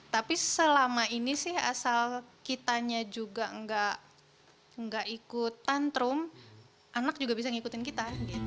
tapi selama ini sih asal kitanya juga nggak ikut tantrum anak juga bisa ngikutin kita